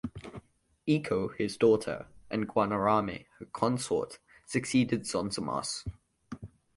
Ico, his daughter, and Guanarame, her consort, succeeded Zonzamas.